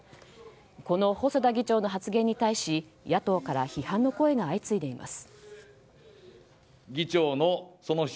この細田議長の発言に対し野党から批判の声が相次いでいます。